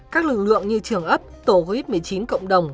các lực lượng như trường ấp tổ covid một mươi chín cộng đồng